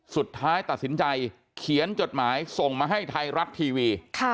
สุดท้ายตัดสินใจเขียนจดหมายส่งมาให้ไทยรัฐทีวี